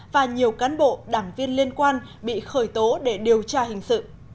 và nhiều cán bộ đảng viên liên quan bị khởi tố để điều tra hình sự